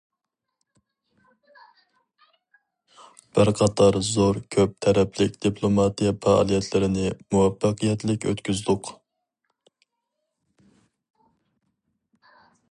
بىر قاتار زور كۆپ تەرەپلىك دىپلوماتىيە پائالىيەتلىرىنى مۇۋەپپەقىيەتلىك ئۆتكۈزدۇق.